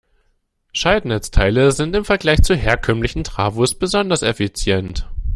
Schaltnetzteile sind im Vergleich zu herkömmlichen Trafos besonders effizient.